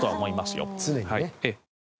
常にね。